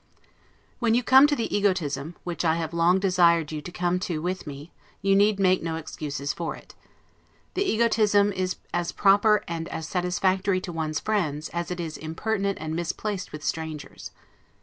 When you come to the egotism, which I have long desired you to come to with me, you need make no excuses for it. The egotism is as proper and as satisfactory to one's friends, as it is impertinent and misplaced with strangers.